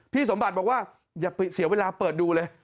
สมบัติบอกว่าอย่าเสียเวลาเปิดดูเลย